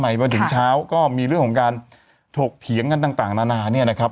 มาถึงเช้าก็มีเรื่องของการถกเถียงกันต่างนานาเนี่ยนะครับ